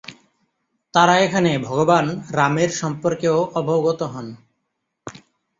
তারা এখানে ভগবান রামের সম্পর্কেও অবগত হন।